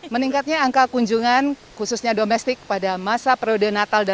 meningkatnya angka kunjungan khususnya domestik pada masa periode natal